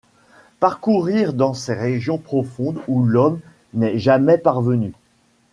Parcourir dans ces régions profondes où l’homme n’est jamais parvenu !